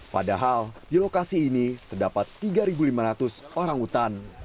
padahal di lokasi ini terdapat tiga lima ratus orang hutan